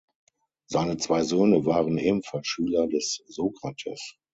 Seine zwei Söhne waren ebenfalls Schüler des Sokrates.